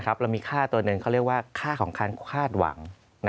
เรามีค่าตัวหนึ่งเขาเรียกว่าค่าของการคาดหวัง